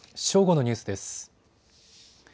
正午のニュースです。